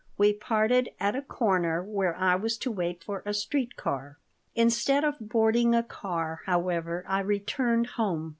We parted at a corner where I was to wait for a street car. Instead of boarding a car, however, I returned home.